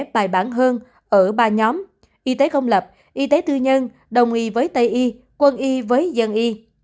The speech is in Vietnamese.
bài bản hơn ở ba nhóm y tế công lập y tế tư nhân đồng y với tây y quân y với dân y